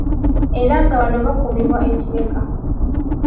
Era nga bano bakuumibwa e Kireka.